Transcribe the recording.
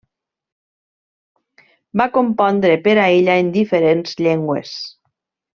Va compondre per a ella en diferents llengües.